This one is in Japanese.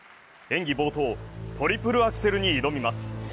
演技冒頭、トリプルアクセルに挑みます。